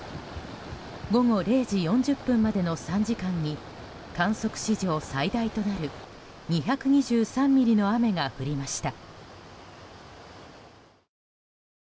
午後０時４０分までの３時間に観測史上最大となる２２３ミリの雨が降りました。